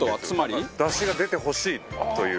齊藤：ダシが出てほしいという。